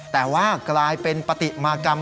แต่ว่ากลายเป็นปฏิมากรรม